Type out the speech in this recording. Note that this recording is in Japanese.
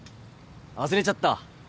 忘れちゃったわ。